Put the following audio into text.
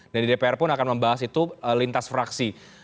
dan di dpr pun akan membahas itu lintas fraksi